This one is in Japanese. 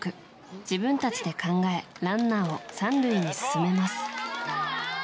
自分たちで考えランナーを３塁に進めます。